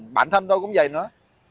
bản thân tôi cũng vậy nữa